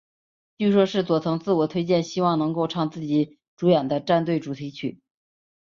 据说是佐藤自我推荐希望能够唱自己主演的战队主题曲。